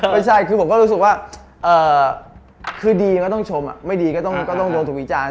ไม่ใช่คือผมก็รู้สึกว่าคือดีก็ต้องชมไม่ดีก็ต้องโดนถูกวิจารณ